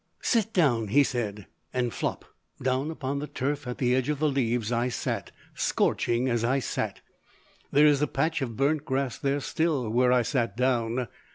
"Sit down," he said, and flop, down upon the turf at the edge of the Leas I sat scorching as I sat. There is a patch of burnt grass there still where I sat down.